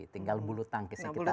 tinggal bulu tangkis yang kita lihat